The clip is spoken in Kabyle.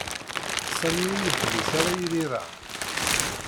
Sami ur yeḥbis ara iriran.